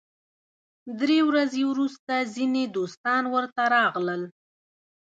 درې ورځې وروسته ځینې دوستان ورته راغلل.